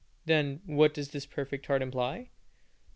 Then, what does this perfect heart imply?